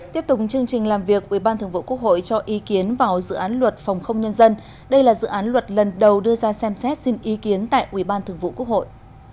tiếp tục chương trình làm việc ủy ban thường vụ quốc hội cho ý kiến vào dự án luật phòng không nhân dân đây là dự án luật lần đầu đưa ra xem xét xin ý kiến tại ủy ban thường vụ quốc hội